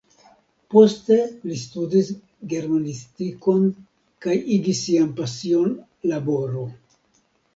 Poste li studis germanistikon kaj igis sian pasion laboro.